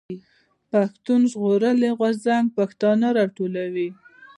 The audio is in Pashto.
پښتون ژغورني غورځنګ پښتانه راټولوي.